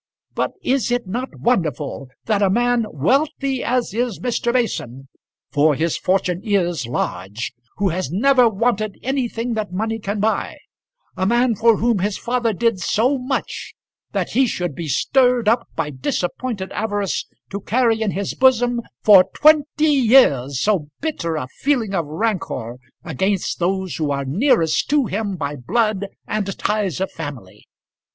But is it not wonderful that a man wealthy as is Mr. Mason for his fortune is large; who has never wanted anything that money can buy; a man for whom his father did so much, that he should be stirred up by disappointed avarice to carry in his bosom for twenty years so bitter a feeling of rancour against those who are nearest to him by blood and ties of family!